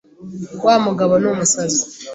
Wa mugabo ni umusazi